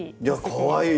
かわいい！